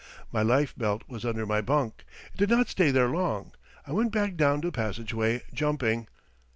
My life belt was under my bunk. It did not stay there long. I went back down the passageway jumping.